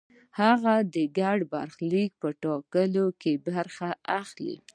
هغه د ګډ برخلیک په ټاکلو کې برخه اخلي.